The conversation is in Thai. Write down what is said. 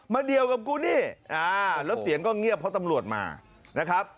เดี่ยวกับกูนี่แล้วเสียงก็เงียบเพราะตำรวจมานะครับ